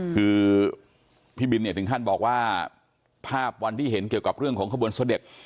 คือพี่บินเนี่ยถึงขั้นบอกว่าภาพวันที่เห็นเกี่ยวกับเรื่องของขบวนเสด็จ